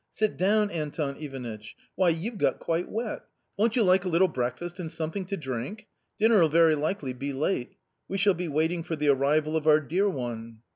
Sit down, Anton Ivanitch. Why you've got quite wet; won't you like a little breakfast and something to drink ? Dinner '11 very likely be late; we shall be waiting for the arrival of our dear one."